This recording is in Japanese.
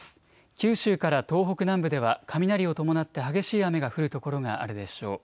九州から東北南部では雷を伴って激しい雨が降る所があるでしょう。